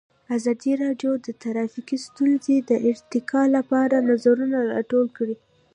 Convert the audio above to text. ازادي راډیو د ټرافیکي ستونزې د ارتقا لپاره نظرونه راټول کړي.